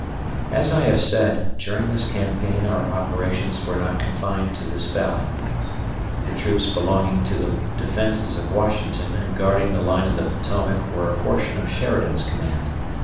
As I have said, during this campaign our operations were not confined to this valley. The troops belonging to the defences of Washington and guarding the line of the Potomac were a portion of Sheridan's command.